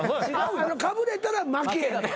かぶれたら負け。